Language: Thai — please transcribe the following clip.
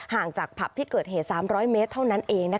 ห่างจากผับที่เกิดเหตุ๓๐๐เมตรเท่านั้นเอง